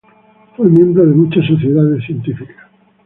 Fue miembro de muchas sociedades científicas.